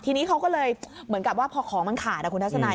ทีนี้เขาก็เลยเหมือนกับว่าพอของมันขาดคุณทัศนัย